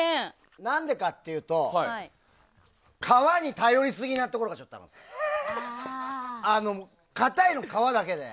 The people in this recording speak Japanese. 何でかっていうと皮に頼りすぎなところがちょっとあったんですよ。